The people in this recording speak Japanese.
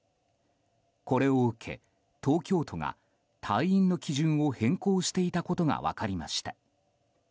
これを受け、東京都が退院の基準を変更していたことが分かりました。